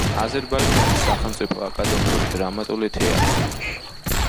აზერბაიჯანის სახელმწიფო აკადემიური დრამატული თეატრი.